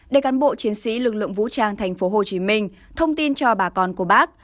để cán bộ chiến sĩ lực lượng vũ trang thành phố hồ chí minh thông tin cho bà con cô bác